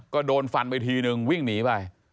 ก็โดนฟันไปทีนึงวิ่งหนีไป